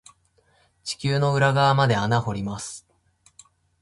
地球の裏側まで穴掘ります。